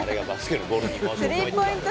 スリーポイント